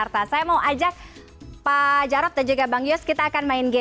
telepon menyimp hannan spiridaka theories